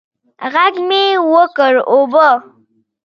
ږغ مې وکړ اوبه.